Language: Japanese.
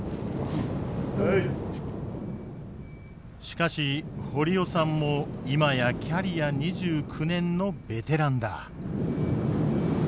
しかし堀尾さんも今やキャリア２９年のベテランだ。